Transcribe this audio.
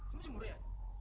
kamu sih murid ya